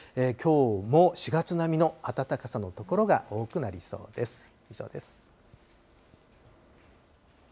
きょうも４月並みの暖かさの所が多くなりそうです。